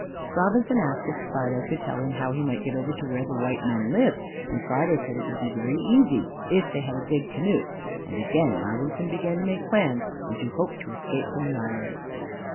Robinson asked if Friday could tell him how he might get over to where the white men lived, and Friday said it would be very easy, if they had a big canoe, and again Robinson began to make plans and to hope to escape from the island.